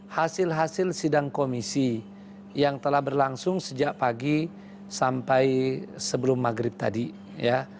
hasil hasil sidang komisi yang telah berlangsung sejak pagi sampai sebelum maghrib tadi ya